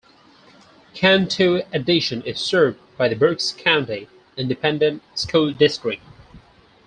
Cantu Addition is served by the Brooks County Independent School District.